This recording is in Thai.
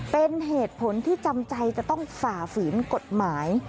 เป็นเหตุผลที่จำใจจะต้องฝ่าฝืนกฎหมาย